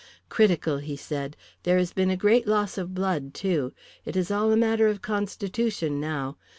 "Critical," he said. "There has been a great loss of blood, too. It is all a matter of constitution now.